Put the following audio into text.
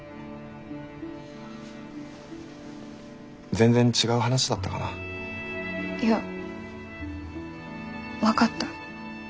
全然違う話だったかな。いや分かった。